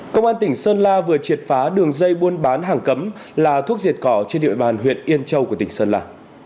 công an tỉnh sơn la vừa triệt phá đường dây buôn bán hàng cấm là thuốc diệt cỏ trên địa bàn huyện yên châu của tỉnh sơn la